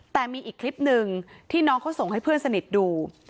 แต่มีอีกคลิปหนึ่งที่น้องเขาส่งให้เพื่อนสนิทดู